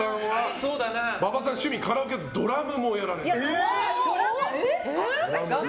馬場さん、趣味カラオケとドラムもやられてる。